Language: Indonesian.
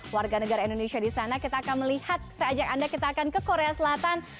warga negara indonesia di sana kita akan melihat saya ajak anda kita akan ke korea selatan